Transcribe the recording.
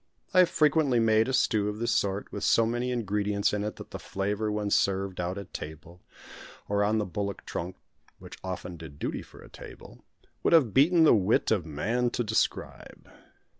I have frequently made a stew of this sort, with so many ingredients in it that the flavour when served out at table or on the bullock trunk which often did duty for a table would have beaten the wit of man to describe.